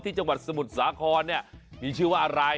จังหวัดสมุทรสาครเนี่ยมีชื่อว่าอะไร